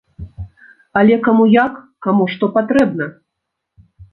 Але каму як, каму што патрэбна.